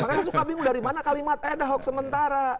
makanya suka bingung dari mana kalimat ad hoc sementara